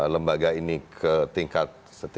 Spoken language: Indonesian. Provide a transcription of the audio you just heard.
lembaga ini ke tingkat